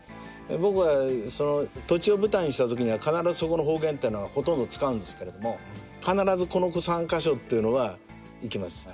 僕は土地を舞台にしたときには必ずそこの方言ってのはほとんど使うんですけれども必ずこの３カ所っていうのは行きます。